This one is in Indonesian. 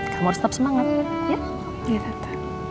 kamu harus tetap semangat